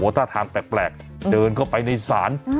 โหท่าทางแปลกแปลกเดินเข้าไปในศาลอืม